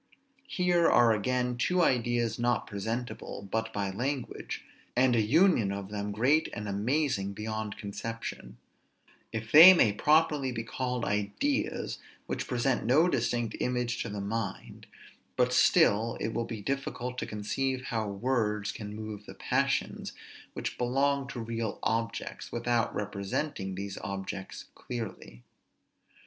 Here are again two ideas not presentable but by language, and an union of them great and amazing beyond conception; if they may properly be called ideas which present no distinct image to the mind; but still it will be difficult to conceive how words can move the passions which belong to real objects, without representing these objects clearly.